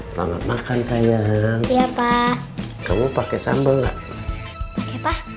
selamat makan sayang ya pak kamu pakai sambal